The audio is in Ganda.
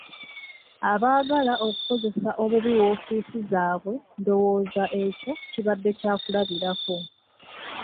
Abaagala okukozesa obubi woofiisi zaabwe ndowozza ekyo kibade kyakulabirako.